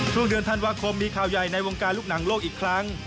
ช่วงเดือนธันวาคมมีข่าวใหญ่ในวงการลูกหนังโลกอีกครั้ง